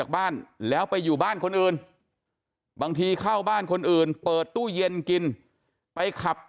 แข็งแข็งแข็งแข็งแข็งแข็งแข็งแข็งแข็งแข็งแข็ง